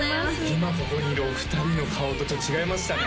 今ここにいるお二人の顔とちょっと違いましたね